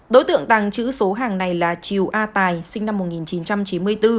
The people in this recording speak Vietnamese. đối tượng tàng trữ số hàng này là triều a tài sinh năm một nghìn chín trăm chín mươi bốn